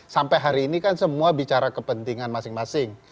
sampai hari ini kan semua bicara kepentingan masing masing